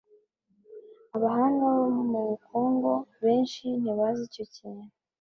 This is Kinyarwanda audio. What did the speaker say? Abahanga mu bukungu benshi ntibazi icyo kintu.